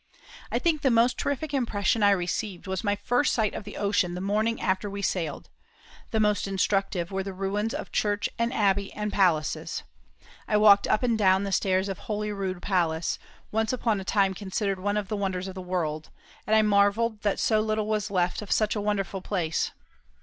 I think the most terrific impression I received was my first sight of the ocean the morning after we sailed, the most instructive were the ruins of church and abbey and palaces. I walked up and down the stairs of Holyrood Palace, once upon a time considered one of the wonders of the world, and I marvelled that so little was left of such a wonderful place.